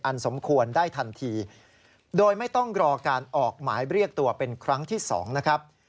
สมควรได้ทันทีโดยไม่ต้องรอการออกหมายเรียกตัวเป็นครั้งที่๒นะครับ